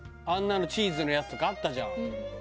あんなのチーズのやつとかあったじゃん。